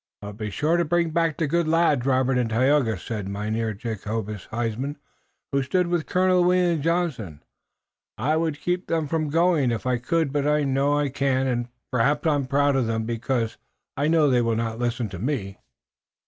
"But be sure to bring back the good lads, Robert and Tayoga," said Mynheer Jacobus Huysman, who stood with Colonel William Johnson. "I would keep them from going, if I could, but I know I cannot and perhaps I am proud of them, because I know they will not listen to me."